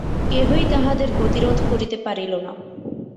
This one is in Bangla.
কেহই তাহাদের গতিরোধ করিতে পারিল না।